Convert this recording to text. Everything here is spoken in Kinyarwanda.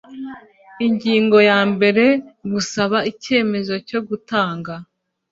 Ingingo ya mbere Gusaba icyemezo cyo gutanga